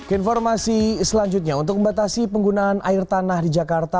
informasi selanjutnya untuk membatasi penggunaan air tanah di jakarta